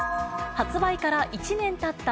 発売から１年たった